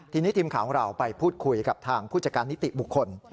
ทีนี้ทีมข่าวของเราไปพูดคุยกับทางผู้จัดการนิติบุคคล